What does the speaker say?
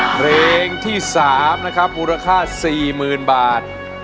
เพลงที่สามมูลค่า๔๐๐๐๐บาท